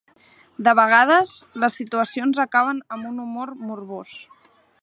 De vegades, les situacions acaben amb un humor morbós.